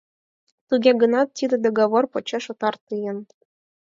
Туге гынат тиде договор почеш отар тыйын.